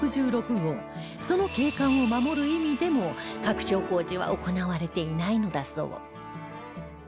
その景観を守る意味でも拡張工事は行われていないのだそう